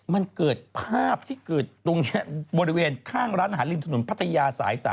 มันเกิดภาพที่เกิดตรงนี้บริเวณข้างร้านอาหารริมถนนพัทยาสาย๓